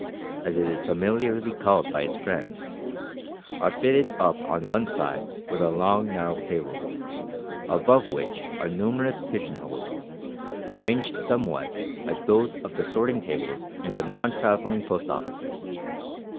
as it is familiarly called by its friends are fitted up on one side with a long narrow table, above which are numerous pigeon holes, arranged somewhat like those of the sorting tables in the non travelling Post Offices.